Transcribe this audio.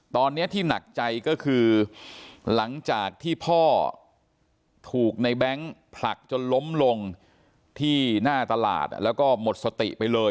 ตอนนี้ที่หนักใจก็คือหลังจากที่พ่อถูกในแบงค์ผลักจนล้มลงที่หน้าตลาดแล้วก็หมดสติไปเลย